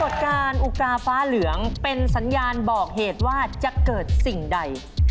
การอุกาฟ้าเหลืองเป็นสัญญาณบอกเหตุว่าจะเกิดสิ่งใด